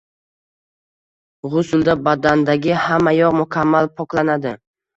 G‘uslda badandagi hamma yoq mukammal poklanadi.